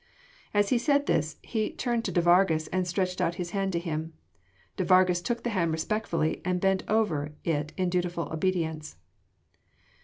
As he said this, he turned to de Vargas and stretched out his hand to him. De Vargas took the hand respectfully and bent over it in dutiful obedience.